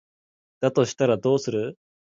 だとしたらどうする？